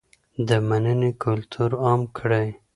د مننې کلتور عام کړئ.